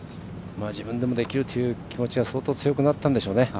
自分でもできるという気持ちが相当強くなったんでしょうね。